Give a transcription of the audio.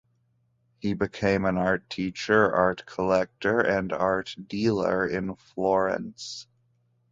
He became an art teacher, art collector, and art dealer in Florence.